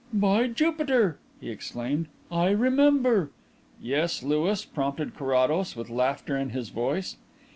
"By Jupiter!" he exclaimed. "I remember " "Yes, Louis?" prompted Carrados, with laughter in his voice.